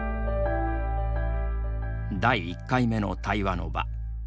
第１回目の対話の場。